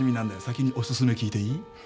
先におすすめ聞いていい？